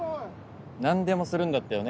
なんでもするんだったよね？